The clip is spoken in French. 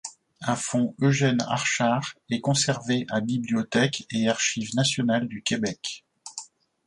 Un fonds Eugène-Archard est conservé à Bibliothèque et Archives nationales du Québec.